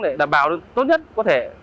để đảm bảo tốt nhất có thể